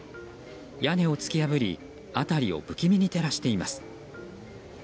屋根を突き破り辺りを不気味に照らしています。